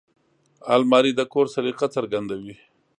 الماري د کور سلیقه څرګندوي